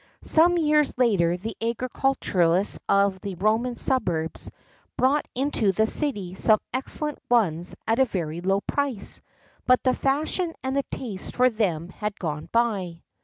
Some years later the agriculturists of the Roman suburbs brought into the city some excellent ones at a very low price; but the fashion and the taste for them had gone by.